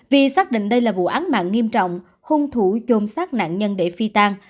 vì xác định đây là vụ án mạng nghiêm trọng hung thủ chôn sát nạn nhân để phi tan